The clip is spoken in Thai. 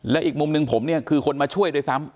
และอีกมุมหนึ่งผมเนี่ยคือคนมาช่วยด้วยซ้ำ